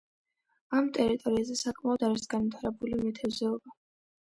ამ ტერიტორიაზე საკმაოდ არის განვითარებული მეთევზეობა.